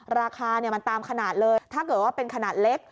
ราคามันตามขนาดเลยถ้าเกิดว่าเป็นขนาดเล็ก